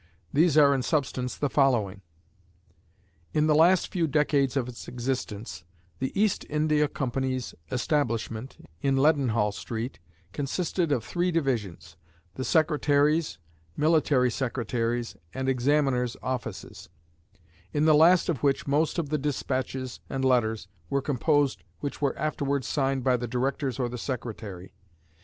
These are in substance the following. In the few last decades of its existence, the East India Company's establishment, in Leadenhall Street, consisted of three divisions, the secretary's, military secretary's, and examiners' offices, in the last of which most of the despatches and letters were composed which were afterwards signed by the directors or the secretary.